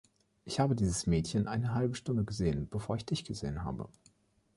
Ich habe dieses Mädchen eine halbe Stunde gesehen, bevor ich dich gesehen habe.